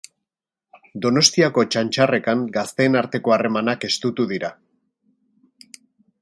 Donostiako Txantxarrekan gazteen arteko harremanak estutu dira.